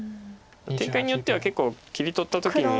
展開によっては結構切り取った時に。